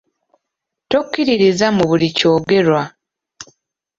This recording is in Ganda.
Tokkiririza mu buli kyogerebwa.